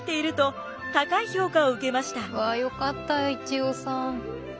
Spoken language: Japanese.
うわよかった一葉さん。